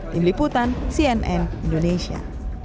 tim liputan cnn indonesia